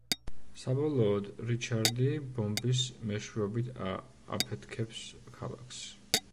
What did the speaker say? საბოლოოდ რიჩარდი ბომბის მეშვეობით აფეთქებს ქალაქს.